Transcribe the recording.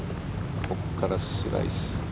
ここからスライス。